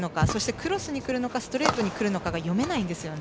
クロスにくるのかストレートにくるのかが読めないんですよね。